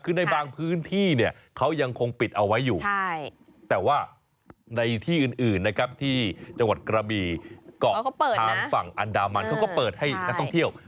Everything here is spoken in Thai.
คือในบางพื้นที่เนี่ย